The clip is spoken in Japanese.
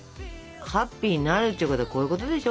ハッピーになるっちゅうことはこういうことでしょ？